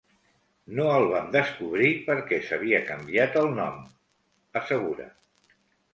No el vam descobrir perquè s'havia canviat el nom —assegura.